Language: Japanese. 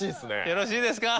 よろしいですか？